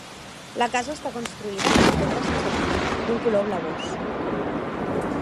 La casa està construïda en pedra sense polir, d'un color blavós.